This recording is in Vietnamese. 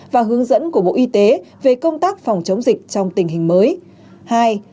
và hướng dẫn của bộ y tế về công tác phòng chống dịch trong tình hình mới